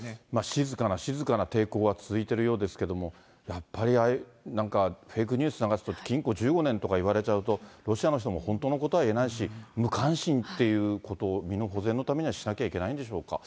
静かな静かな抵抗は続いているようですけれども、やっぱりなんかフェイクニュース流すと、禁錮１５年とか言われちゃうと、ロシアの人も本当のことは言えないし、無関心っていうこと、身の保全のためにはしなきゃいけないんでしょうか。